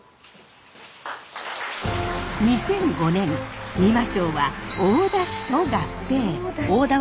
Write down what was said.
２００５年仁摩町は大田市と合併。